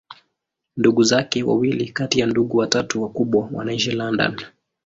Ndugu zake wawili kati ya ndugu watatu wakubwa wanaishi London.